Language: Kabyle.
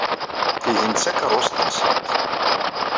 Tihin d takeṛṛust-nsent.